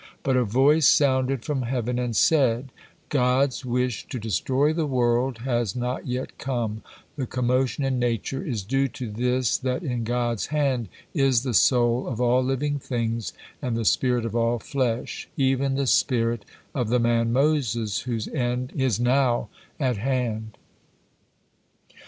But a voice sounded from heaven and said: "God's wish to destroy the world has not yet come, the commotion in nature is due to this that 'in God's hand is the soul of all living things and the spirit of all flesh,' even the spirit of the man Moses, whose end is not at hand."